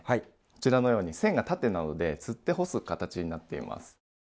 こちらのように線が縦なのでつって干す形になっています。